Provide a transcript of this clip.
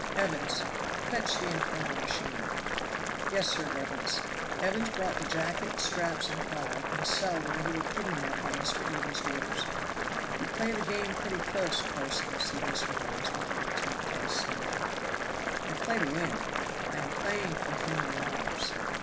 "Evans, fetch the infernal machine." "Yes, your reverence." Evans brought the jacket, straps and collar from a cell where he had hidden them by Mr. Eden's orders. "You play the game pretty close, parson," said Mr. Hawes, with an attempt at a sneer. "I play to win. I am playing for human lives.